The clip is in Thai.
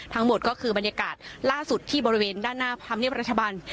ทั้งหมดก็คือบรรยากาศล่าสุดที่บริเวณด้านหน้าธรรมเนียบรัฐบาล